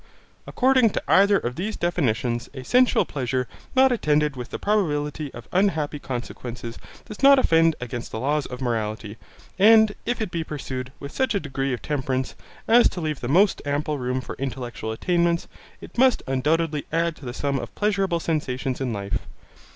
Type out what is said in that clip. According to either of these definitions, a sensual pleasure not attended with the probability of unhappy consequences does not offend against the laws of morality, and if it be pursued with such a degree of temperance as to leave the most ample room for intellectual attainments, it must undoubtedly add to the sum of pleasurable sensations in life.